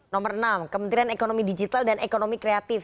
nomor enam kementerian ekonomi digital dan ekonomi kreatif